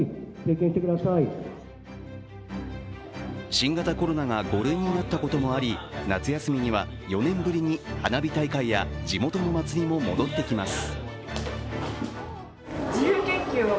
新型コロナが５類になったこともあり夏休みには４年ぶりに花火大会や地元の祭りも戻ってきます。